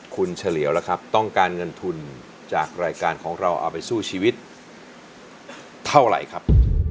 คุณเฉลียวล่ะครับต้องการเงินทุนจากรายการของเราเอาไปสู้ชีวิตเท่าไหร่ครับ